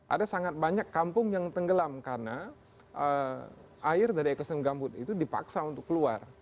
ada sangat banyak kampung yang tenggelam karena air dari ekosistem gambut itu dipaksa untuk keluar